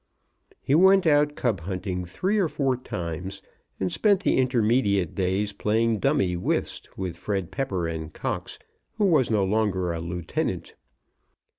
He went out cub hunting three or four times, and spent the intermediate days playing dummy whist with Fred Pepper and Cox, who was no longer a lieutenant.